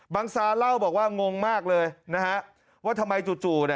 บังซาเล่าบอกว่างงมากเลยนะฮะว่าทำไมจู่